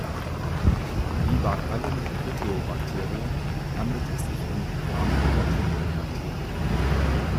Wie bei allen Proteobakterien handelt es sich um gramnegative Bakterien.